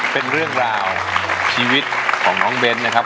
เป็นเรื่องราวชีวิตของน้องเบ้นนะครับ